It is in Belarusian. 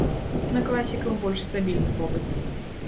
На класікаў больш стабільны попыт.